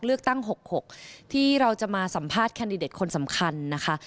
เลือกตั้ง๖๖ที่เราจะมาสัมภาษณ์แคนดิเดตคนสำคัญนะคะ